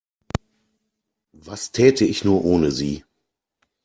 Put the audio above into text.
Was täte ich nur ohne Sie?